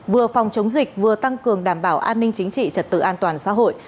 vừa phòng chống dịch vừa tăng cường đảm bảo an ninh chính trị trật tự an toàn xã hội